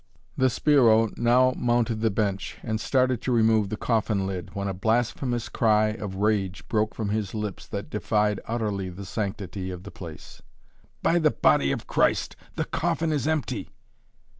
The sbirro now mounted the bench and started to remove the coffin lid, when a blasphemous cry of rage broke from his lips that defied utterly the sanctity of the place. "By the body of Christ! The coffin is empty!"